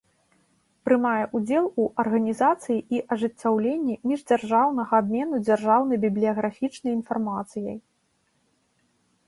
Прымае ўдзел у арганiзацыi i ажыццяўленнi мiждзяржаўнага абмену дзяржаўнай бiблiяграфiчнай iнфармацыяй.